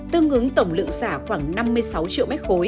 tương ứng tổng lượng xả khoảng năm mươi sáu triệu m ba